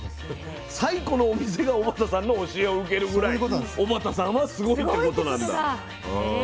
最古のお店が小幡さんの教えを受けるぐらい小幡さんはすごいってことなんだ。